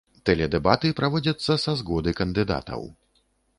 Тэледэбаты праводзяцца са згоды кандыдатаў.